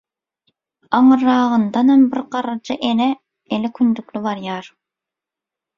aňyrragyndanam bir garryja ene eli kündükli barýar.